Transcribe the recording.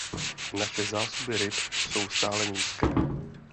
Naše zásoby ryb jsou stále nízké.